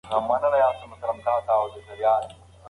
د ذهن سالمتیا د روحي تغذیې پورې تړلې ده.